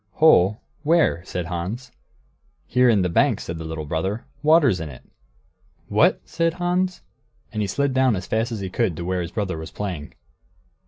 "Hole? Where?" said Hans. "Here in the bank," said the little brother; "water's in it." "What!" said Hans, and he slid down as fast as he could to where his brother was playing.